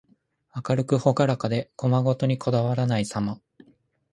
明るくほがらかで、細事にこだわらないさま。